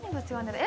えっ？